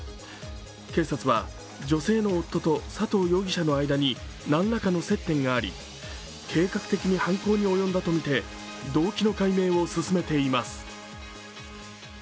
警察は女性の夫と佐藤容疑者の間に何らかの接点があり計画的に犯行に及んだとみて動機の解明を進めています。